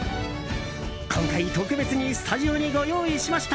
今回、特別にスタジオにご用意しました。